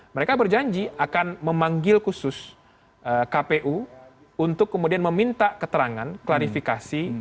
mereka berjanji akan memanggil khusus kpu untuk kemudian meminta keterangan klarifikasi